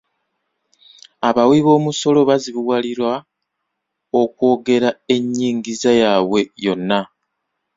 Abawiboomusolo bazibuwalirwa okwogera ennyingiza yaabwe yonna.